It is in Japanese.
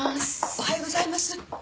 おはようございます。